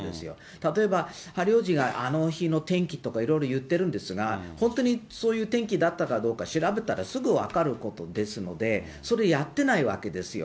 例えばハリー王子があの日の天気とかいろいろ言ってるんですが、本当にそういう天気だったかどうか調べたらすぐ分かることですので、それやってないわけですよ。